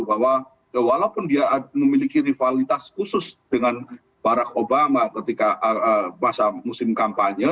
bahwa walaupun dia memiliki rivalitas khusus dengan barack obama ketika masa musim kampanye